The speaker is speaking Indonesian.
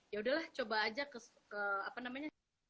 yaudah lah coba aja ke apa namanya